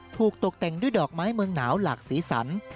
ถูกตกแต่งด้วยดอกไม้เมืองหนาวหลากสีสัน